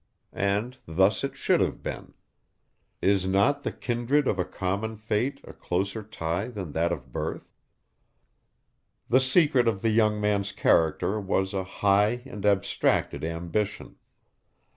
And thus it should have been. Is not the kindred of a common fate a closer tie than that of birth? The secret of the young man's character was a high and abstracted ambition.